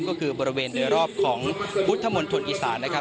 ก็คือบริเวณด้วยรอบของพุทธมลตุนอิสระ